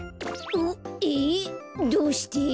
えっどうして？